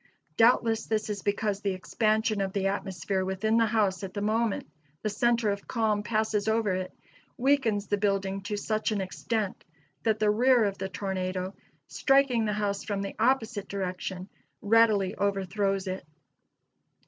Doubtless this is because the expansion of the atmosphere within the house at the moment the center of calm passes over it weakens the building to such an extent that the rear of the tornado, striking the house from the opposite direction, readily overthrows it.